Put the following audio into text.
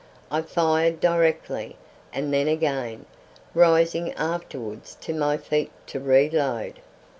I fired directly, and then again, rising afterwards to my feet to reload.